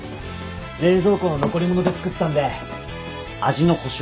冷蔵庫の残り物で作ったんで味の保証はできませんけど。